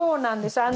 そうなんです。